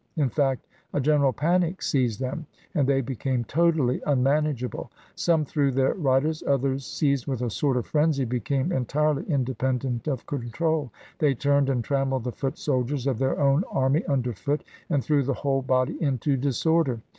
In fact, a general panic seized them, and they became totally unmanageable. Some threw their riders; others, seized with a sort of frenzy, became en tirely independent of control. They turned, and tram pled the foot soldiers of their own army under foot, and threw the whole body into disorder.